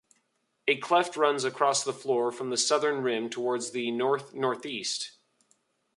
A cleft runs across the floor from the southern rim toward the north-northeast.